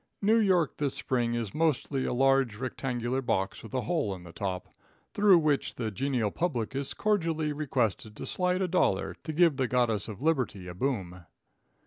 New York this spring is mostly a large rectangular box with a hole in the top, through which the genial public is cordially requested to slide a dollar to give the goddess of liberty a boom.